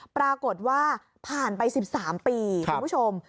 ปรากฏว่าผ่านไป๑๓ปีคุณผู้ชม